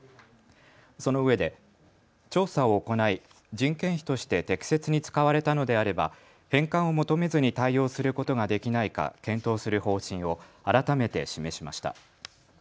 そのうえで調査を行い、人件費として適切に使われたのであれば返還を求めずに対応することができないか検討する方針を改めて示しました。